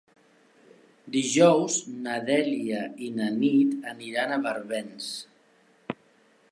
Dijous na Dèlia i na Nit aniran a Barbens.